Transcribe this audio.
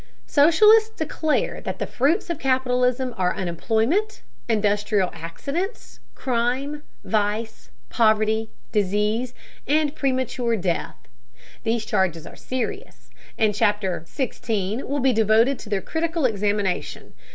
Socialists declare that the fruits of capitalism are unemployment, industrial accidents, crime, vice, poverty, disease, and premature death. These charges are serious, and Chapter XVI will be devoted to their critical examination.